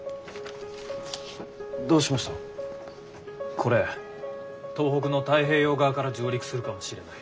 これ東北の太平洋側から上陸するかもしれない。